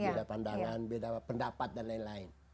beda pandangan beda pendapat dan lain lain